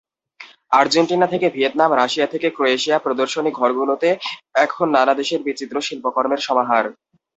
Argentina থেকে Vietnam, Russia থেকে ক্রোয়েশিয়া—প্রদর্শনী ঘরগুলোতে এখন নানা দেশের বিচিত্র শিল্পকর্মের সমাহার।